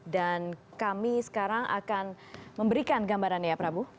dan kami sekarang akan memberikan gambarannya ya prabu